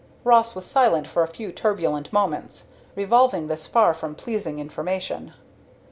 Ross was silent for a few turbulent moments, revolving this far from pleasing information.